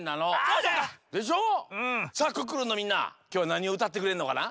さあ「クックルン」のみんなきょうはなにをうたってくれるのかな？